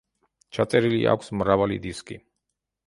ჩაწერილი აქვს მრავალი დისკი.